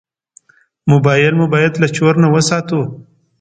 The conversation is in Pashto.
موبایل مو باید له چور نه وساتو.